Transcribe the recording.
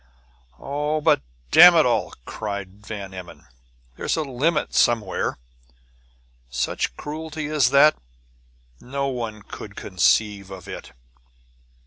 "Oh, but damn it all!" cried Van Emmon. "There's a limit somewhere! Such cruelty as that no one could conceive of it!"